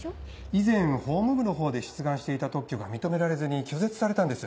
以前法務部の方で出願していた特許が認められずに拒絶されたんです